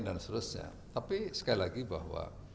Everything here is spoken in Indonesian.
dan seterusnya tapi sekali lagi bahwa